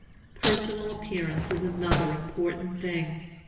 Personal appearance is another important thing.